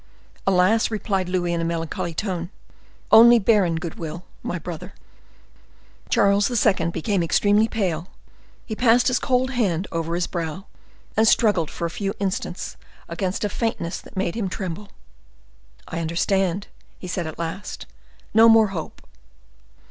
"Alas!" replied Louis, in a melancholy tone, "only barren good will, my brother." Charles II. became extremely pale; he passed his cold hand over his brow, and struggled for a few instants against a faintness that made him tremble. "I understand," said he at last; "no more hope!"